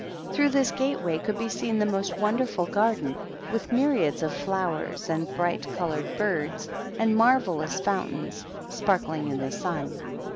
Through this gate way could be seen the most wonderful garden, with myriads of flowers, and 390 THE PAGKUrr. bright colored birds, and marvellous fountains sparkling in the sun.